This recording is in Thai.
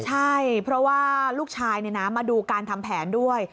ใช่เพราะว่าลูกชายมาดูการทำแผนด้วย